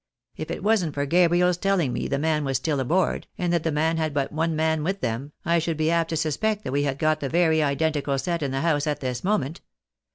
If it wasn't for Gabriel's telling me the man was still aboard, and that the woman had but one man with them, I should be apt to suspect that we had got the very identical set in the house at this moment.'